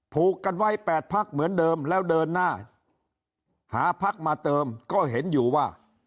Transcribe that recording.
ผูกกันไว้๘พักเหมือนเดิมแล้วเดินหน้าหาพักมาเติมก็เห็นอยู่ว่า